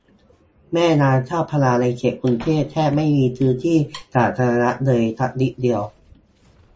แม่น้ำเจ้าพระยาในเขตกรุงเทพ แทบจะไม่มีพื้นที่สาธารณะเลยสักนิดเดียว